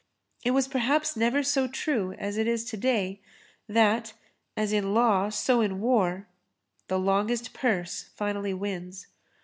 It was perhaps never so true as it is today that, as in law so in war, the longest purse finally wins.